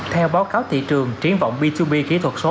theo báo cáo thị trường triến vọng b hai b kỹ thuật số